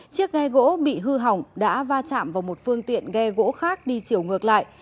chiếc ghe gỗ bị hư hỏng đã va chạm vào một phương tiện ghe gỗ khác đi chiều ngược lại